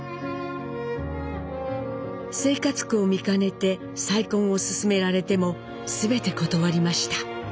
生活苦を見かねて再婚を勧められても全て断りました。